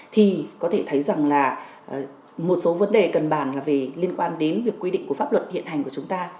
thì có thể thấy rằng là một số vấn đề cân bản là liên quan đến quy định pháp luật hiện hành của chúng ta